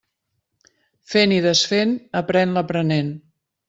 Fent i desfent, aprén l'aprenent.